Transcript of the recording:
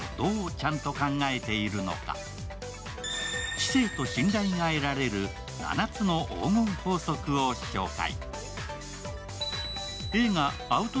知性と信頼が得られる７つの黄金法則を紹介。